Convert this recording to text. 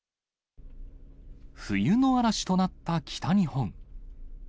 冬の嵐となった北日本。